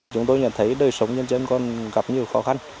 chúng tôi nhận thấy đời sống nhân dân còn gặp nhiều khó khăn